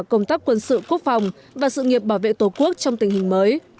công tác quân sự quốc phòng và sự nghiệp bảo vệ tổ quốc trong tình hình mới